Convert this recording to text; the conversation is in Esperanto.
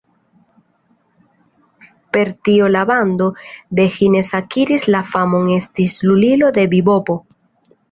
Per tio la bando de Hines akiris la famon esti "lulilo de bibopo".